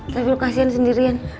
tapi lu kasihan sendirian